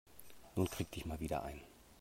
Nun krieg dich mal wieder ein.